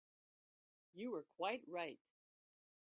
You are quite right.